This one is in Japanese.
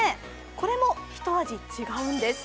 これもひと味違うんです。